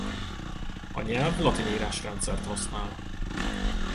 A nyelv latin írásrendszert használ.